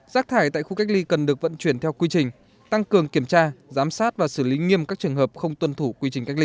rác thải tại khu cách ly cần được vận chuyển theo quy trình tăng cường kiểm tra giám sát và xử lý nghiêm các trường hợp không tuân thủ quy trình cách ly